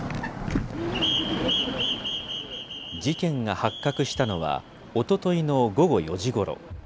事件が発覚したのは、おとといの午後４時ごろ。